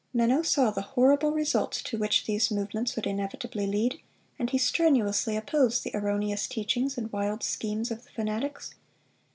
Menno saw the horrible results to which these movements would inevitably lead, and he strenuously opposed the erroneous teachings and wild schemes of the fanatics.